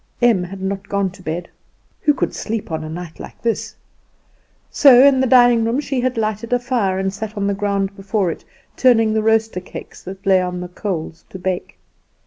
Em had not gone to bed. Who could sleep on a night like this? So in the dining room she had lighted a fire, and sat on the ground before it, turning the roaster cakes that lay on the coals to bake.